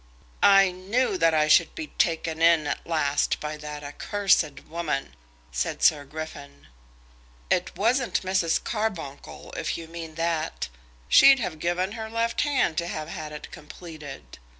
"I knew that I should be taken in at last by that accursed woman," said Sir Griffin. "It wasn't Mrs. Carbuncle, if you mean that. She'd have given her left hand to have had it completed.